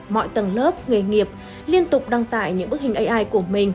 mọi tầng lớp nghề nghiệp liên tục đăng tải những bức hình ai của mình